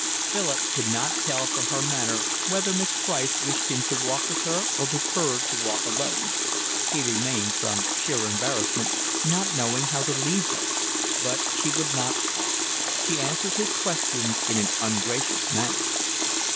Philip could not tell from her manner whether Miss Price wished him to walk with her or preferred to walk alone. He remained from sheer embarrassment, not knowing how to leave her; but she would not talk; she answered his questions in an ungracious manner.